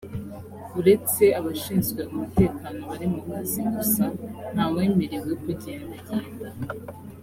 uretse abashinzwe umutekano bari mu kazi gusa ntawemerewe kugendagenda